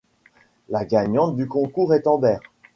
La gagnante du Concours est Amber.